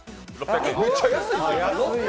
むっちゃ安いですね。